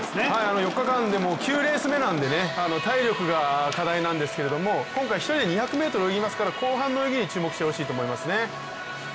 ４日間で９レース目なんでね体力が課題なんですけれども今回１人で２００ｍ泳ぎますから後半の泳ぎに注目してほしいと思いますね。